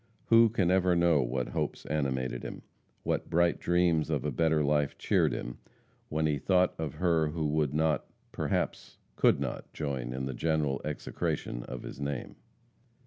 Who can ever know what hopes animated him; what bright dreams of a better life cheered him, when he thought of her who would not perhaps could not join in the general execration of his name?